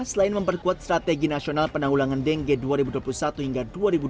selain memperkuat strategi nasional penanggulangan dengge dua ribu dua puluh satu hingga dua ribu dua puluh